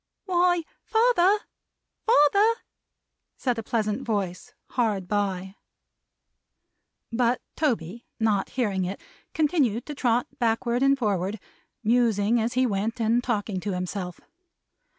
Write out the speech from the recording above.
"Why, father, father!" said a pleasant voice, hard by. But Toby, not hearing it continued to trot backward and forward: musing as he went, and talking to himself.